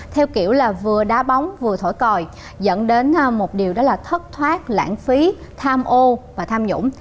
theo kiểu là vừa đá bóng vừa thổi còi dẫn đến một điều đó là thất thoát lãng phí tham ô và tham nhũng